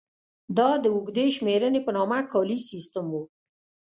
دا د اوږدې شمېرنې په نامه کالیز سیستم و.